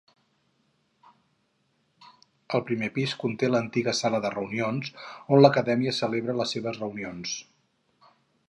El primer pis conté l'antiga Sala de reunions, on l'acadèmia celebra les seves reunions.